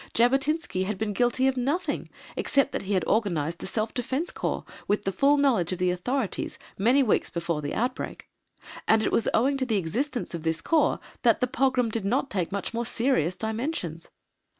Jabotinsky had been guilty of nothing except that he had organised the Self Defence Corps with the full knowledge of the authorities, many weeks before the outbreak, and it was owing to the existence of this Corps that the pogrom did not take much more serious dimensions.